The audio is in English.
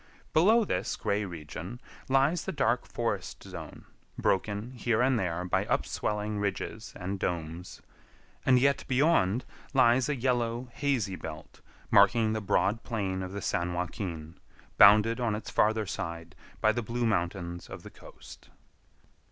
Below this gray region lies the dark forest zone, broken here and there by upswelling ridges and domes; and yet beyond lies a yellow, hazy belt, marking the broad plain of the San Joaquin, bounded on its farther side by the blue mountains of the coast.